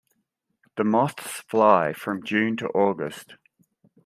The moths fly from June to August.